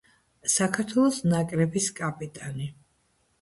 საქართველოს ნაკრების კაპიტანი.